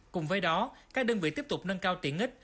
cùng với đó các đơn vị tiếp tục nâng cao tiện ích